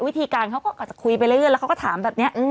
วิธีการเขาก็อาจจะคุยไปเรื่อยแล้วเขาก็ถามแบบนี้